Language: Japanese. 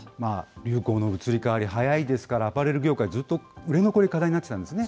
流行の移り変わり早いですから、アパレル業界、ずっと売れ残り、課題になってたんですね。